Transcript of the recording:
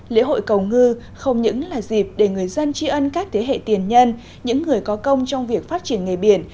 lễ hội cầu ngư không những là dịp để người dân tri ân các thế hệ tiền nhân những người có công trong việc phát triển nghề biển